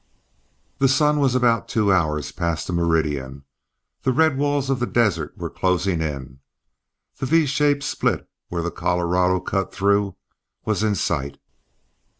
The sun was about two hours past the meridian; the red walls of the desert were closing in; the V shaped split where the Colorado cut through was in sight.